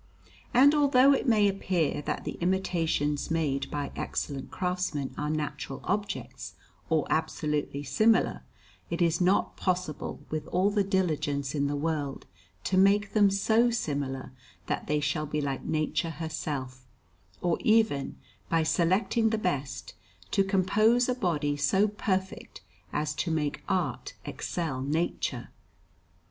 And although it may appear that the imitations made by excellent craftsmen are natural objects, or absolutely similar, it is not possible with all the diligence in the world to make them so similar that they shall be like nature herself, or even, by selecting the best, to compose a body so perfect as to make art excel nature.